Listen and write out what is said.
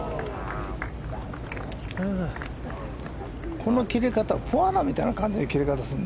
この切れ方はポアナみたいな感じの切れ方をするな。